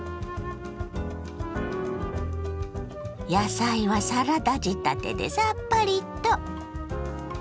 野菜はサラダ仕立てでさっぱりと。